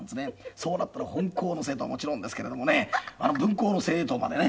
そうなったら本校の生徒はもちろんですけれどもね分校の生徒までね